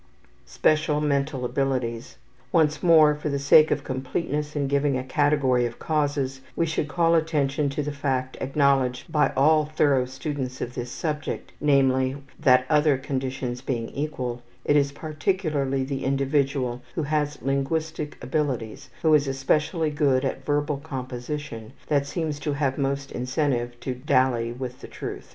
Special Mental Abilities. Once more, for the sake of completeness in giving a category of causes, we should call attention to the fact acknowledged by all thorough students of this subject, namely, that, other things being equal, it is particularly the individual who has linguistic abilities, who is especially good at verbal composition, that seems to have most incentive to dally with the truth.